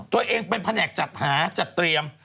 ตัวเองเป็นแผนกจัดหาจัดเตรียม